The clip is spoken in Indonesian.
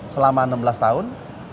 selama enam belas tahun